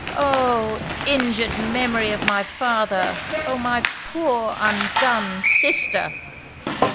Oh! injured memory of my father! oh! my poor, undone sister!'